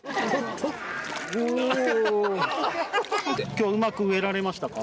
今日うまく植えられましたか？